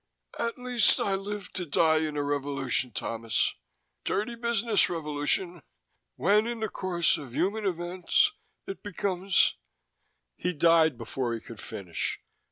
"At least, I lived to die in a revolution, Thomas. Dirty business, revolution. When in the course of human events, it becomes " He died before he could finish.